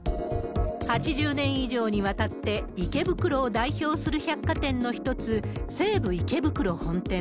８０年以上にわたって池袋を代表する百貨店の一つ、西武池袋本店。